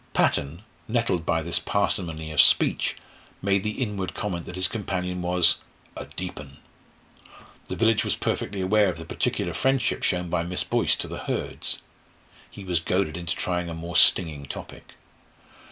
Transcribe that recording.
Patton, nettled by this parsimony of speech, made the inward comment that his companion was "a deep un." The village was perfectly aware of the particular friendship shown by Miss Boyce to the Hurds. He was goaded into trying a more stinging topic.